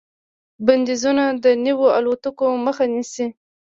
بندیزونه د نویو الوتکو مخه نیسي.